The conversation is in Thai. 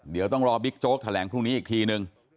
เดี๋ยวต้องรอบิ๊กโจ๊กแถลงพรุ่งนี้อีกทีนึง